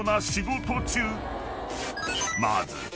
［まず］